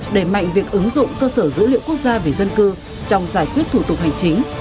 đẩy mạnh việc ứng dụng cơ sở dữ liệu quốc gia về dân cư trong giải quyết thủ tục hành chính